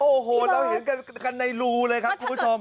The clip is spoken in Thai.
โอ้โหเราเห็นกันในรูเลยครับคุณผู้ชม